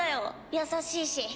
優しいし。